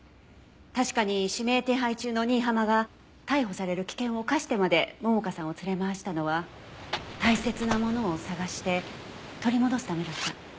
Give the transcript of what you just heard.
確かに指名手配中の新浜が逮捕される危険を冒してまで桃香さんを連れ回したのは大切なものを捜して取り戻すためだった。